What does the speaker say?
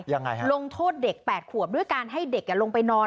ยังไงฮะลงโทษเด็ก๘ขวบด้วยการให้เด็กลงไปนอน